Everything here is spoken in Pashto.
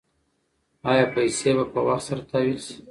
ایا پیسې به په وخت سره تحویل شي؟